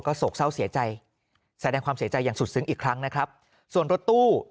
โศกเศร้าเสียใจแสดงความเสียใจอย่างสุดซึ้งอีกครั้งนะครับส่วนรถตู้